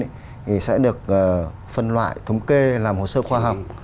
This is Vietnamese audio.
thì sẽ được phân loại thống kê làm hồ sơ khoa học